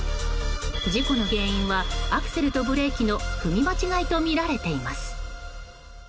事故の原因はアクセルとブレーキの踏み間違いとみられています。